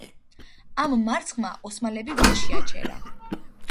ამ მარცხმა ოსმალები ვერ შეაჩერა.